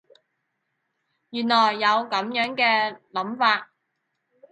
原來有噉樣嘅諗法